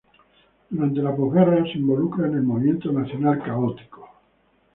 Durante la posguerra, se involucra en el movimiento nacional-católico.